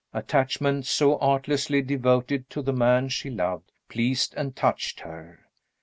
Attachment so artlessly devoted to the man she loved, pleased and touched her.